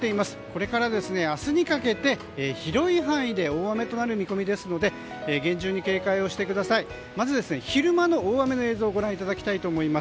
これから明日にかけて広い範囲で大雨となる見込みですので厳重に警戒をしてください。